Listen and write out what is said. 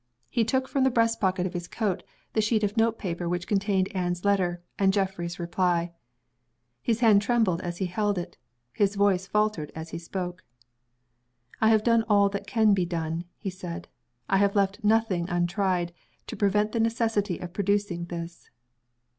He took from the breast pocket of his coat the sheet of note paper which contained Anne's letter, and Geoffrey's reply. His hand trembled as he held it; his voice faltered as he spoke. "I have done all that can be done," he said. "I have left nothing untried, to prevent the necessity of producing this."